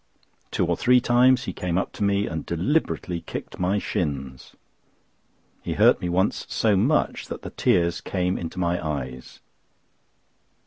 Two or three times he came up to me and deliberately kicked my shins. He hurt me once so much that the tears came into my eyes.